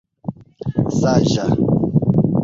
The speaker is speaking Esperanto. saĝa